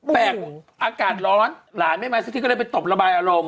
แต่อากาศร้อนหลานไม่มาสักทีก็เลยไปตบระบายอารมณ์